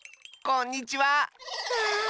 こんにちは！